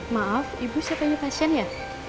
maaf ibu siapanya pasien ya